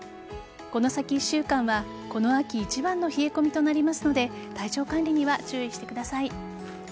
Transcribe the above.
この先１週間はこの秋一番の冷え込みとなりますので体調管理には注意してください。